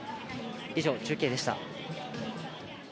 以上、中継でした。